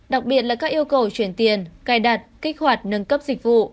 đặc biệt là các yêu cầu chuyển tiền cài đặt kích hoạt nâng cấp dịch vụ